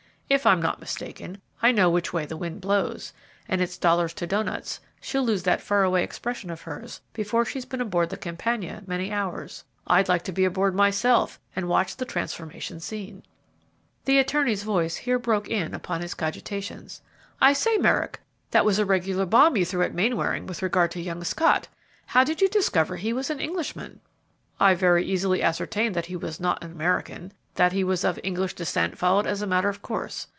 If I'm not mistaken, I know which way the wind blows, and it's dollars to doughnuts she'll lose that far away expression of hers before she's been aboard the 'Campania' many hours. I'd like to be aboard myself and watch the transformation scene." The attorney's voice here broke in upon his cogitations. "I say, Merrick, that was a regular bomb you threw at Mainwaring with regard to young Scott! How did you discover he was an Englishman?" "I very easily ascertained that he was not an American; that he was of English descent followed as a matter of course.